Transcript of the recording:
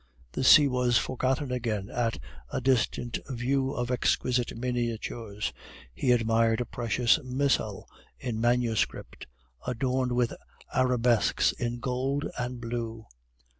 The sea was forgotten again at a distant view of exquisite miniatures; he admired a precious missal in manuscript, adorned with arabesques in gold and blue.